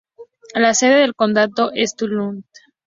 La sede del condado es Duluth.